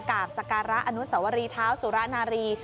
กราบสการะอนุสวรีเท้าสุระนารี